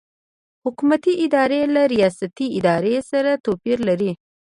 حکومتي ادارې له ریاستي ادارو سره توپیر لري.